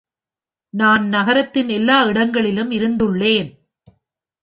நான் நகரத்தின் எல்லா இடங்களிலும் இருந்துள்ளேன்.